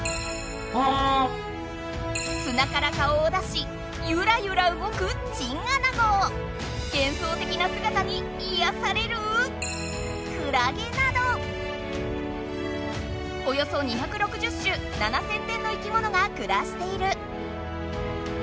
すなから顔を出しゆらゆらうごくげんそうてきなすがたにいやされるクラゲなどおよそ２６０種７，０００点の生きものがくらしている。